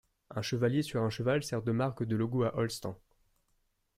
Un chevalier sur un cheval sert de marque de logo à Holsten.